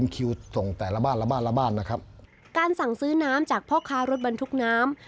การสั่งซื้อน้ำจากพ่อค้ารถบันทุกวัน